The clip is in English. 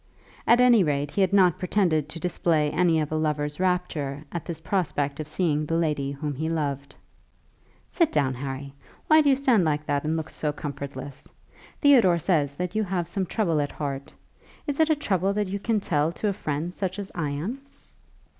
At any rate he had not pretended to display any of a lover's rapture at this prospect of seeing the lady whom he loved. "Sit down, Harry. Why do you stand like that and look so comfortless? Theodore says that you have some trouble at heart. Is it a trouble that you can tell to a friend such as I am?"